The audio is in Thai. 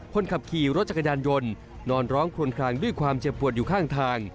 คนขับขี่รถจักรยานยนต์นอนร้องคลวนคลางด้วยความเจ็บปวดอยู่ข้างทาง